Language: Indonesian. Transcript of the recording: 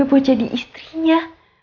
gue mau jadi istrinya